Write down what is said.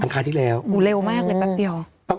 อันคารที่ผ่านมานี่เองไม่กี่วันนี่เอง